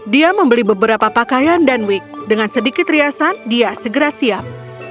dia membeli beberapa pakaian dan week dengan sedikit riasan dia segera siap